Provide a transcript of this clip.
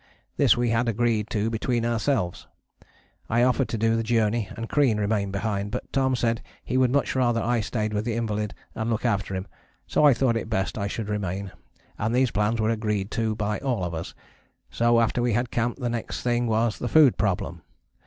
This we had agreed to between ourselves. I offered to do the Journey and Crean remain behind, but Tom said he would much rather I stayed with the invalid and look after him, so I thought it best I should remain, and these plans were agreed to by all of us, so after we had camped the next thing was the food problem.